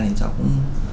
thì cháu cũng